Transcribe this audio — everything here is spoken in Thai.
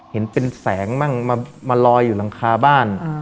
เห็นเป็นแสงมั่งมาลอยอยู่หลังคาบ้าน